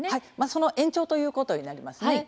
その延長ということになりますね。